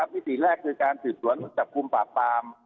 มิติแรกคือการสื่อสวนจับกุมปากปาม